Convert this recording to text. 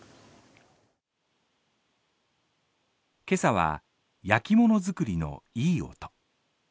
今朝は焼き物作りのいい音。